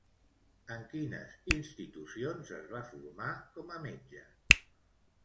En quines institucions es va formar com a metge?